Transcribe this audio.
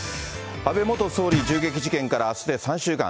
安倍元総理銃撃事件からあすで３週間。